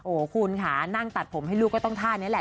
โอ้โหคุณค่ะนั่งตัดผมให้ลูกก็ต้องท่านี้แหละ